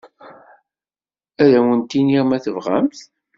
Ad awent-iniɣ, ma tebɣamt.